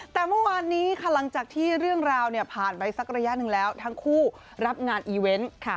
แต่เมื่อวานนี้ค่ะหลังจากที่เรื่องราวเนี่ยผ่านไปสักระยะหนึ่งแล้วทั้งคู่รับงานอีเวนต์